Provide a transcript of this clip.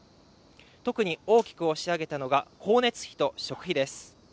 特に大きく押し上げたのが光熱費と食費です